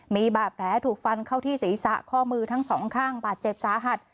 มีบาดแผลถูกฟันเข้าที่ศีรษะข้อมือทั้งสองข้างบาดเจ็บสาหัส